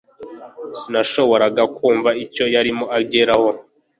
Sinashoboraga kumva icyo yarimo ageraho.